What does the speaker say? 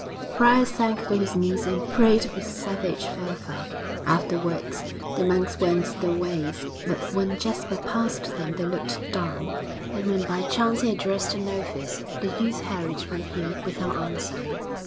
The prior sank to his knees and prayed with savage fervour. Afterwards the monks went their ways; but when Jasper passed them they looked down, and when by chance he addressed a novice, the youth hurried from him without answering.